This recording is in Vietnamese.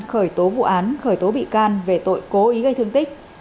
khởi tố vụ án khởi tố bị can về tội cố ý gây thương tích